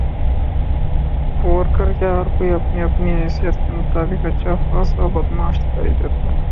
Worker کیا ہر کوئی اپنی اپنی حیثیت کے مطابق اچھا خاصا بدمعاش دکھائی دیتا تھا۔